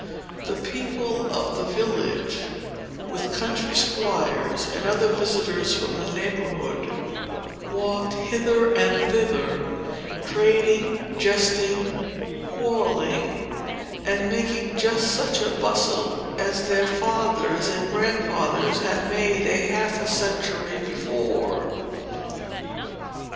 The people of the village, with country squires and other visitors from the neighborhood, walked hither and thither, trading, jesting, quarrelling, and making just such a bustle as their fathers and grandfathers had made half a century before.